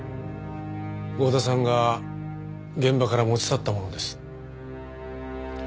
剛田さんが現場から持ち去ったものです。